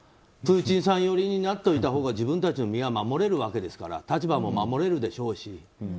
プーチンさん寄りになっておいたほうが自分たちの身は守れるわけですから立場も守れるでしょうし。